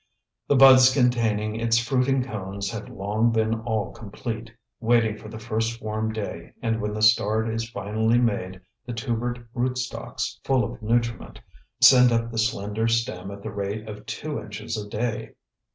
The buds containing its fruiting cones have long been all complete, waiting for the first warm day, and when the start is finally made the tubered rootstocks, full of nutriment, send up the slender stem at the rate of two inches a day.